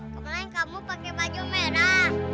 kemarin kamu pake baju merah